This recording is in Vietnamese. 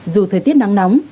dù thời tiết nắng nóng